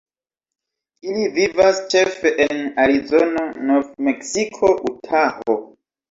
Ili vivas ĉefe en Arizono, Nov-Meksiko, Utaho.